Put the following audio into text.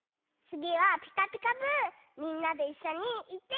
みんなでいっしょにいってみよう！